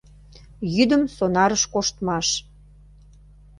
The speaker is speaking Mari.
ЙӰДЫМ СОНАРЫШ КОШТМАШ